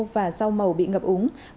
và rau màu bị ngập úng